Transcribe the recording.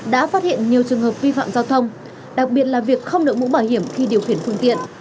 đã phát hiện nhiều trường hợp vi phạm giao thông đặc biệt là việc không đổi mũ bảo hiểm khi điều khiển phương tiện